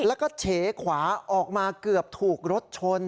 แล้วก็เฉขวาออกมาเกือบถูกรถชน